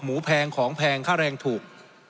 แพงของแพงค่าแรงถูก